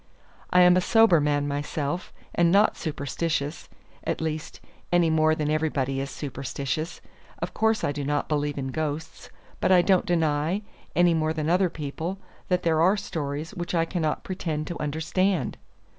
I am a sober man myself, and not superstitious at least any more than everybody is superstitious. Of course I do not believe in ghosts; but I don't deny, any more than other people, that there are stories which I cannot pretend to understand.